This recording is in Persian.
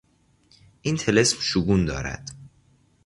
این طلسم شگون دارد.